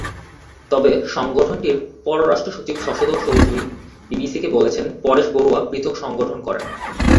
তবে সংগঠনটির পররাষ্ট্রসচিব শশধর চৌধুরী বিবিসিকে বলেছেন, পরেশ বড়ুয়া পৃথক সংগঠন করেন।